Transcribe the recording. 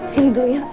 sini dulu ya